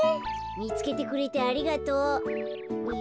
みつけてくれてありがとう。